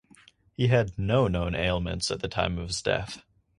He had no known ailments at the time of his death.